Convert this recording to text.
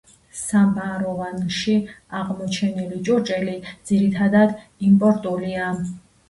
სამაროვანში აღმოჩენილი ჭურჭელი ძირითადად იმპორტულია.